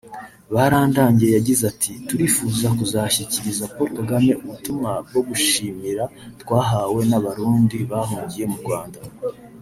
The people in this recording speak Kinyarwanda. Barandagiye yagize ati « Turifuza kuzashyikiriza Paul Kagame ubutumwa bwo gushimira twahawe n’Abarundi bahungiye mu Rwanda